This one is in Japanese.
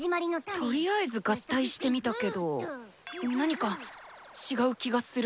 とりあえず合体してみたけど何か違う気がする。